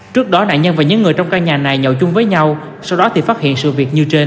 trước đó nạn nhân và những người trong căn nhà này nhậu chung với nhau sau đó thì phát hiện sự việc như trên